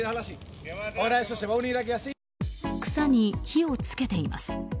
草に火を付けています。